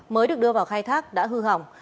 mới được đưa vào khai thác đã hư hỏng